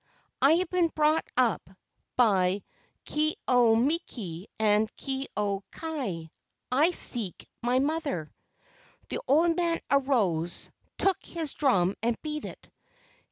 I have been brought up by Ke au miki and Ke au kai. I seek my mother." The old man arose, took his drum and beat it.